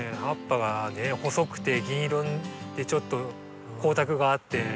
葉っぱが細くて銀色でちょっと光沢があって。